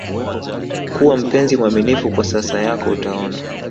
kuwa mpenzi mwaminifu kwa sasa yako utaona